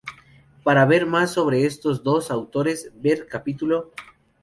Para ver más sobre estos dos autores ver cap.